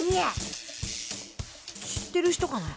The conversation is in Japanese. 知ってる人かな？